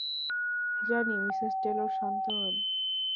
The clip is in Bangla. জানি, মিসেস টেলর, শান্ত হন।